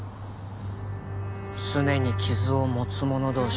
すねに傷を持つ者同士。